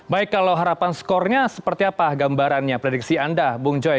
baik kalau harapan skornya seperti apa gambarannya prediksi anda bung joy